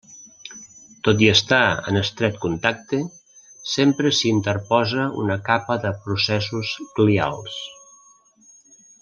Tot i estar en estret contacte sempre s'hi interposa una capa de processos glials.